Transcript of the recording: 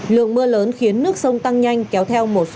lượng mưa lớn khiến nước sông tăng nhanh kéo theo một số điểm